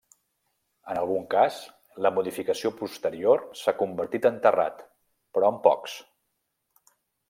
En algun cas, la modificació posterior s'ha convertit en terrat, però en pocs.